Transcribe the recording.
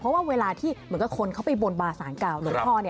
เพราะว่าเวลาที่เหมือนกับคนเขาไปบนบาสารเก่าหลวงพ่อ